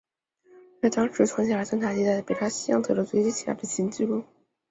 这在当时创下了侦察机在北大西洋测得最低气压的新纪录。